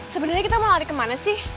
sebenarnya kita mau lari kemana sih